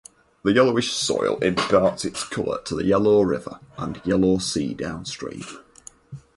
The yellowish soil imparts its color to the Yellow River and Yellow Sea downstream.